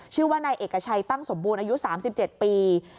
ชื่อว่านายเอกชัยตั้งสมบูรณ์อายุ๓๗ปี